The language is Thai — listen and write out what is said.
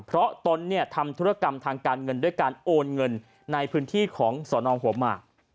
เพราะตนเนี่ยทำธุรกรรมทางการเงินด้วยการโอนเงินในพื้นที่ของสนหัวหมาก